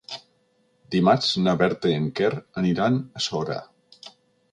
Dimarts na Berta i en Quer aniran a Sora.